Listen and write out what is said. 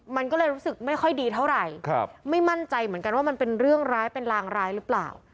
มันก็เลยรู้สึกไม่ค่อยดีเท่าไหร่ไม่มั่นใจเหมือนกันว่ามันเป็นเรื่องร้ายเป็นลางร้ายหรือเปล่า